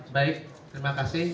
baik terima kasih